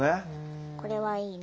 これはいいね。